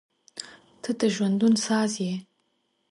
• ته د ژوندون ساز یې.